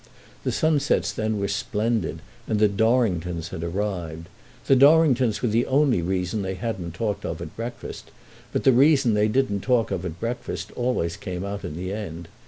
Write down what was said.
The sunsets then were splendid and the Dorringtons had arrived. The Dorringtons were the only reason they hadn't talked of at breakfast; but the reasons they didn't talk of at breakfast always came out in the end.